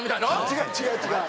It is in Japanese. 違う違う違う。